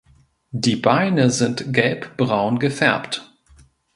Die Beine sind gelbbraun gefärbt.